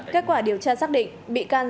kết quả điều tra xác định